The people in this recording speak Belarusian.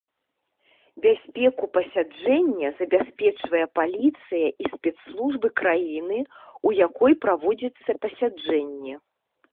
Бяспеку пасяджэння забяспечвае паліцыя і спецслужбы краіны, у якой праводзіцца пасяджэнне.